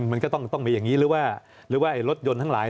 มันก็ต้องมีอย่างนี้หรือว่ารถยนต์ทั้งหลาย